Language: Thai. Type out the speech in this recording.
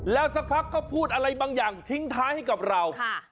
แล้วสักพักก็พูดอะไรบางอย่างทิ้งท้ายให้กับเรา